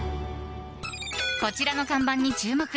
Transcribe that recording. こちらの看板に注目。